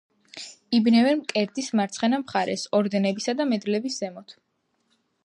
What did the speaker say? იბნევენ მკერდის მარცხენა მხარეს ორდენებისა და მედლების ზემოთ.